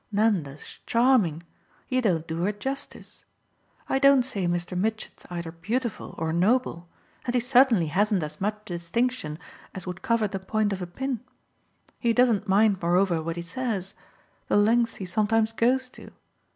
Nanda's charming you don't do her justice. I don't say Mr. Mitchett's either beautiful or noble, and he certainly hasn't as much distinction as would cover the point of a pin. He doesn't mind moreover what he says the lengths he sometimes goes to!